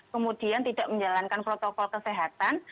kemudian tidak menjalankan protokol kesehatan